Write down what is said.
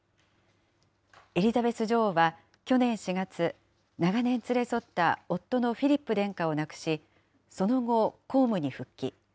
エリザベス女王は去年４月、長年連れ添った夫のフィリップ殿下を亡くし、その後、公務に復帰。